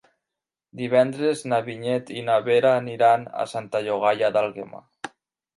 Divendres na Vinyet i na Vera aniran a Santa Llogaia d'Àlguema.